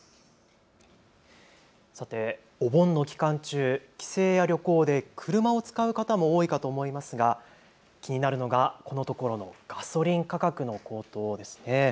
さて、お盆の期間中、帰省や旅行で車を使う方も多いかと思いますが気になるのがこのところのガソリン価格の高騰です。